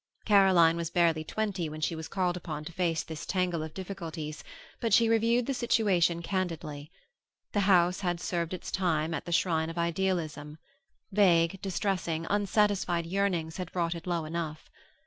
Caroline was barely twenty when she was called upon to face this tangle of difficulties, but she reviewed the situation candidly. The house had served its time at the shrine of idealism; vague, distressing, unsatisfied yearnings had brought it low enough.